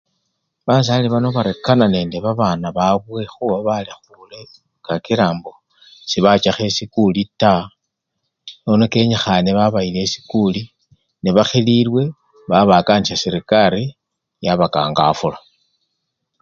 Basali bano barekana nende babana babwe khuba balekhule kakila mbo sebachakho esikuli taa nono kenyikhane babayila esikuli nebakhililwe babakanisya serekari yabakangafula.